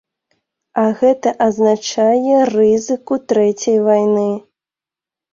А гэта азначае рызыку трэцяй вайны.